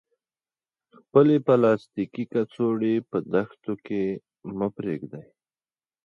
خپلې پلاستیکي کڅوړې په دښتو کې مه پریږدئ.